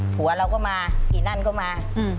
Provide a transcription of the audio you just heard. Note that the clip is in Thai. ผัวเราก็มาอีนั่นก็มา